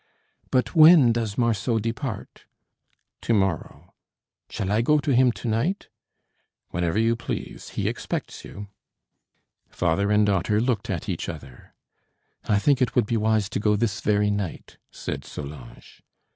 "But when does Marceau depart?" "To morrow." "Shall I go to him to night?" "Whenever you please; he expects you." Father and daughter looked at each other. "I think it would be wise to go this very night," said Solange.